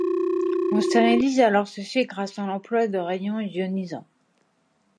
On stérilise alors ceux-ci grâce à l'emploi de rayonnements ionisants.